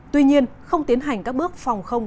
tuy nhiên không tiến hành các bước phòng không